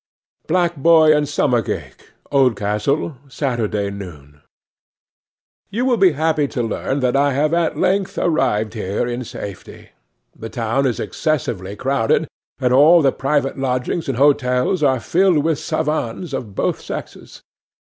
'Black Boy and Stomach ache, Oldcastle, Saturday noon. 'YOU will be happy to learn that I have at length arrived here in safety. The town is excessively crowded, and all the private lodgings and hotels are filled with savans of both sexes.